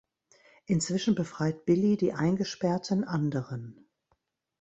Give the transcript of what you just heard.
Inzwischen befreit Billy die eingesperrten anderen.